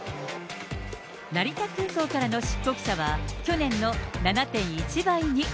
成田空港からの出国者は、去年の７．１倍に。